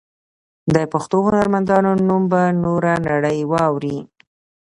د پښتو هنرمندانو نوم به نوره نړۍ واوري.